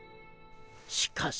しかし。